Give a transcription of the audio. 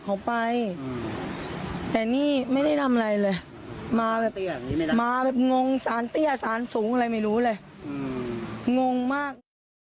อืมงงมาก